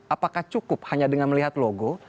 apakah cukup hanya dengan melihat logo